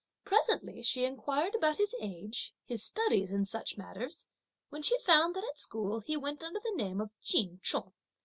Presently she inquired about his age, his studies and such matters, when she found that at school he went under the name of Ch'in Chung.